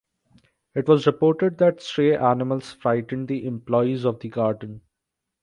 It was reported that stray animals frightened the employees of the garden.